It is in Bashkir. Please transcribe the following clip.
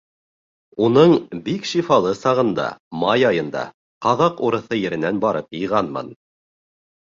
Уның бик шифалы сағында, май айында, ҡаҙаҡ урыҫы еренән барып йыйғанмын.